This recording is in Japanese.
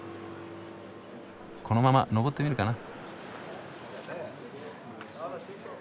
このまま上ってみるかな？